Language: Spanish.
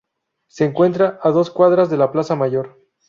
Se encuentra a dos cuadras de la Plaza Mayor.